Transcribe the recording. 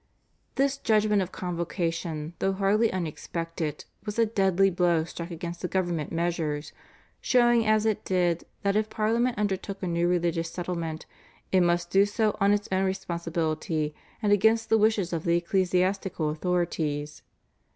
This judgment of Convocation though hardly unexpected was a deadly blow struck against the government measures, showing as it did that if Parliament undertook a new religious settlement it must do so on its own responsibility and against the wishes of the ecclesiastical authorities.